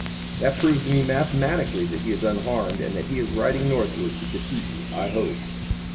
That proves to me mathematically that he is unharmed and that he is riding northward to defeat, I hope."